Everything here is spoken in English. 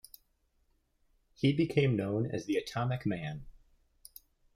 He became known as the 'Atomic Man'.